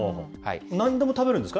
なんでも食べるんですか？